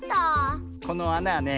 このあなはね